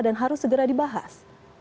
dan harus dibahas